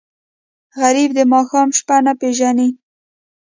غریب د ماښام شپه نه پېژني